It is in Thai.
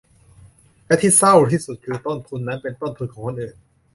และที่เศร้าที่สุดคือ ต้นทุนนั้นเป็นต้นทุนของคนอื่น